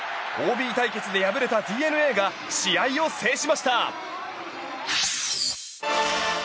ＯＢ対決で敗れたＤｅＮＡが試合を制しました。